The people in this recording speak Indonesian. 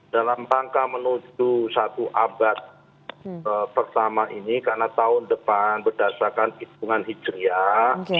dalam rangka menuju satu abad pertama ini karena tahun depan berdasarkan hitungan hijriah